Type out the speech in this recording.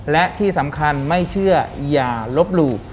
และที่สำคัญไม่เชื่ออย่าลบหลู่